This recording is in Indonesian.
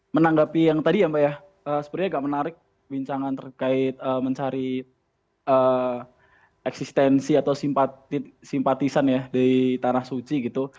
menanggapi yang tadi ya mbak ya sebenarnya agak menarik bincangan terkait mencari eksistensi atau simpatisan ya di tanah suci gitu